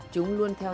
chúng luôn phòng hờ